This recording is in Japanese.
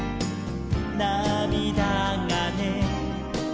「なみだがね」